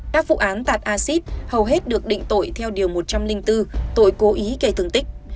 các vụ án tạt acid hầu hết được định tội theo điều một trăm linh bốn tội cố ý gây thương tích